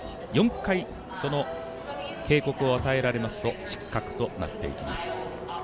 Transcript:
４回、警告を与えられますと失格となっていきます。